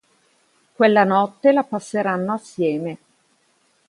Quella notte la passeranno assieme.